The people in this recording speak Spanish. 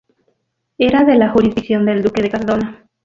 Era de la jurisdicción del duque de Cardona.